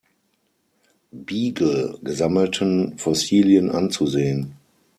Beagle" gesammelten Fossilien anzusehen.